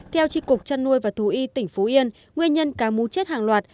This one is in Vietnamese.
theo tri cục chân nuôi và thú y tỉnh phú yên nguyên nhân cá muốn chết hàng loạt